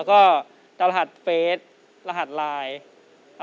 เฮ้ยอย่าลืมฟังเพลงผมอาจารย์นะ